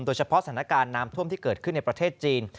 สถานการณ์น้ำท่วมที่เกิดขึ้นในประเทศจีน